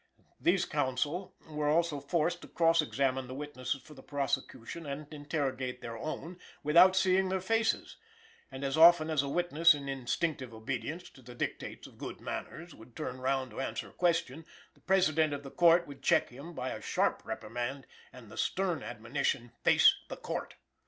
These counsel were also forced to cross examine the witnesses for the prosecution, and interrogate their own, without seeing their faces; and as often as a witness in instinctive obedience to the dictates of good manners would turn round to answer a question, the President of the Court would check him by a "sharp reprimand" and the stern admonition: "Face the Court!"